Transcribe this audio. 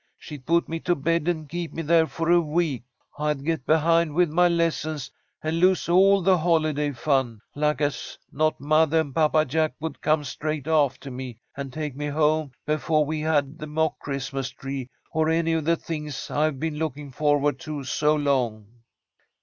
She'd put me to bed and keep me there for a week. I'd get behind with my lessons, and lose all the holiday fun. Like as not mothah and Papa Jack would come straight aftah me, and take me home befoah we'd had the mock Christmas tree or any of the things I've been looking forward to so long."